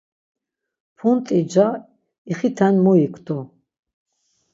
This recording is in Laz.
Punt̆i ca ixiten muyiktu.